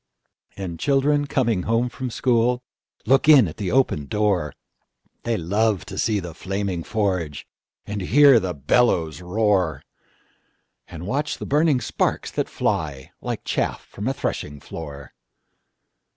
And children coming home from schoolLook in at the open door; They love to see the flaming forge, And hear the bellows roar, And watch the burning sparks that flyLike chaff from a threshing floor.